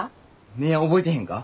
姉やん覚えてへんか？